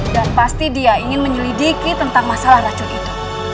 dan pasti dia ingin menyelidiki tentang masalah racun itu